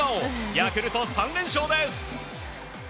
ヤクルト３連勝です。